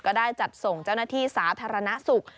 ก็ได้จัดส่งเจ้าหน้าที่สาธารณสุข